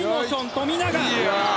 富永！